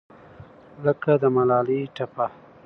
لکه د ملالې ټپه